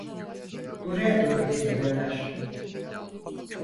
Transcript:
Buraya doğru geliyorlar.